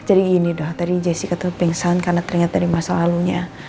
jadi gini dong tadi jessica tuh pingsan karena teringat dari masa lalunya